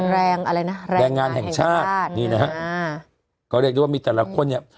แรงอะไรนะแรงงานแห่งชาตินี่นะฮะอ่าก็เรียกได้ว่ามีแต่ละคนเนี่ย